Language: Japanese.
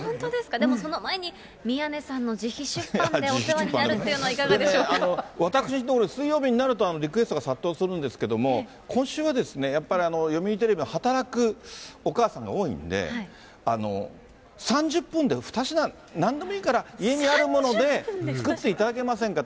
でもその前に宮根さんの自費出版で、お世話になるっていうのはい私のところに、水曜日になるとリクエストが殺到するんですけれども、今週はやっぱり読売テレビ、働くお母さんが多いんで、３０分で２品、なんでもいいから家にあるもので、作っていただけませんかと。